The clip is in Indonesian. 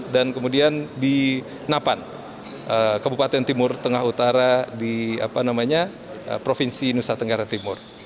dan kemudian di napan kabupaten timur tengah utara di provinsi nusa tenggara timur